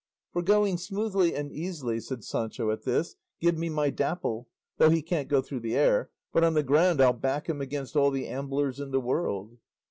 "For going smoothly and easily," said Sancho at this, "give me my Dapple, though he can't go through the air; but on the ground I'll back him against all the amblers in the world."